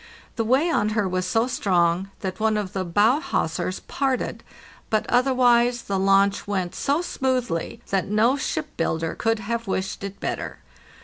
The way on her was so strong that one of the bow hawsers parted, but otherwise the launch went so smoothly that no ship builder could have wished it better.